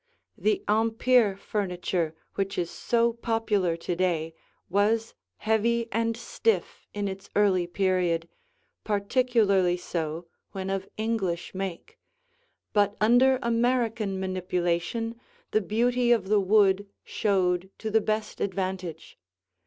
The Empire furniture which is so popular to day was heavy and stiff in its early period, particularly so when of English make, but under American manipulation the beauty of the wood showed to the best advantage.